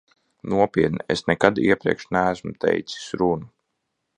Nopietni, es nekad iepriekš neesmu teicis runu.